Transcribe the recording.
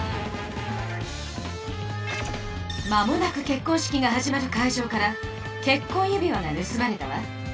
間もなく結婚式が始まる会場から結婚指輪が盗まれたわ。